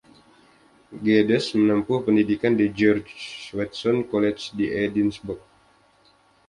Geddes menempuh pendidikan di George Watson's College, di Edinburgh.